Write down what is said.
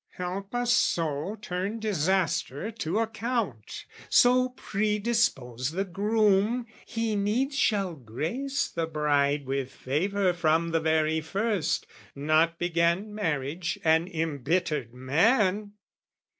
"Help us so turn disaster to account, "So predispose the groom, he needs shall grace "The bride with favour from the very first, "Not begin marriage an embittered man!"